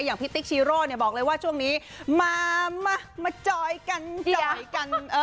อย่างพี่ติ๊กชีโร่เนี่ยบอกเลยว่าช่วงนี้มามาจอยกันจอยกัน